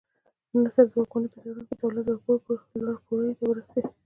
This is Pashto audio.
د نصر د واکمنۍ په دوران کې دولت لوړو پوړیو ته ورسېد.